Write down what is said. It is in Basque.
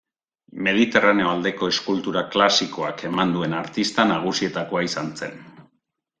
Mediterraneo aldeko eskultura klasikoak eman duen artista nagusietakoa izan zen.